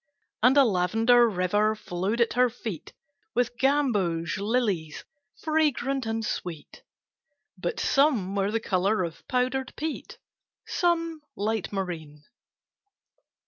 And a lavender river flowed at her feet With gamboge lilies fragrant and sweet, But some were the color of powdered peat, Some light marine.